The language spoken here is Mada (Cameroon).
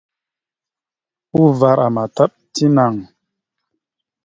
Uvar àmataɗ tinaŋ.